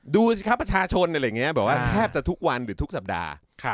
ดูข้าวประชาชนแบบนี้แทบจะทุกวันหรือทุกสัปดาห์